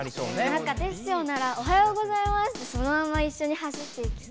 なんかテッショウなら「おはようございます」ってそのままいっしょに走っていきそう。